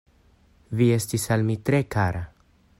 Vi estis al mi tre kara.